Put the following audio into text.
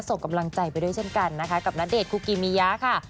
ส่งกำลังใจไปด้วยเช่นกันนะคะกับณเดชนคุกิมิยะค่ะ